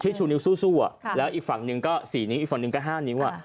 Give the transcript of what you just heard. ชูนิ้วสู้แล้วอีกฝั่งหนึ่งก็๔นิ้วอีกฝั่งหนึ่งก็๕นิ้ว